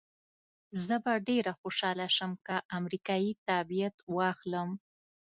زه به ډېره خوشحاله شم که امریکایي تابعیت واخلم.